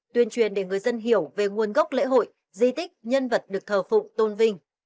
tuyên truyền để người dân hiểu về nguồn gốc lễ hội di tích nhân vật được thờ phụng tôn vinh